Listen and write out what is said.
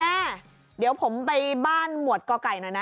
แม่เดี๋ยวผมไปบ้านหมวดก่อไก่หน่อยนะ